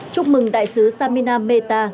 chúc mừng đại sứ samina mehta